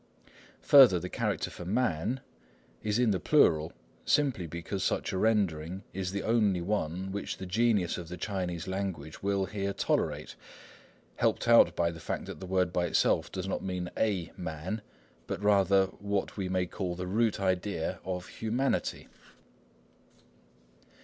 Further, the character for "man" is in the plural simply because such a rendering is the only one which the genius of the Chinese language will here tolerate, helped out by the fact that the word by itself does not mean "a man," but rather what we may call the root idea of humanity.